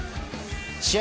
試合